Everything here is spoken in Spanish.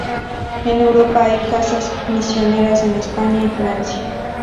En Europa hay casas misioneras en España y Francia.